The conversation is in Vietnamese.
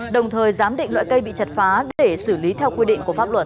đồng thời giám định loại cây bị chặt phá để xử lý theo quy định của pháp luật